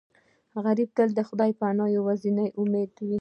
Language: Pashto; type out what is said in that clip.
غریب ته د خدای پناه یوازینی امید وي